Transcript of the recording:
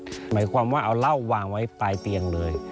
หมายความว่าเอาเหล้าวางไว้ปลายเตียงเลย